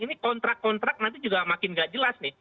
ini kontrak kontrak nanti juga makin nggak jelas nih